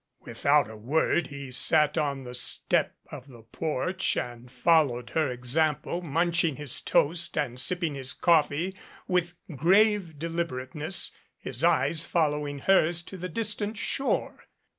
Without a word he sat on the step of the porch and followed her example, munching his toast and sipping his coffee with grave deliberateness, his eyes following hers to the distant shore.